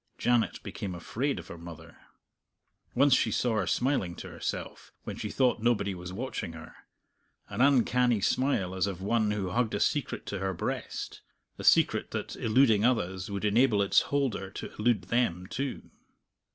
Janet became afraid of her mother. Once she saw her smiling to herself, when she thought nobody was watching her an uncanny smile as of one who hugged a secret to her breast a secret that, eluding others, would enable its holder to elude them too.